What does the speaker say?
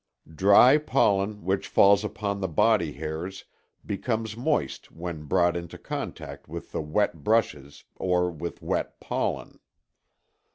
Dry pollen which falls upon the body hairs becomes moist when brought into contact with the wet brushes or with wet pollen.